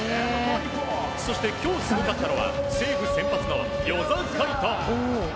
そして今日すごかったのは西武先発の與座海人。